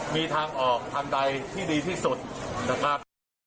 มีทางออกทางใดที่ดีที่สุดนะครับ